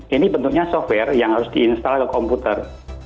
ini bentuknya software yang harus diinstal ke komputer